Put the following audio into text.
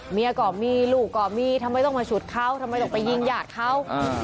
เมียก็มีลูกก็มีทำไมต้องมาฉุดเขาทำไมต้องไปยิงญาติเขา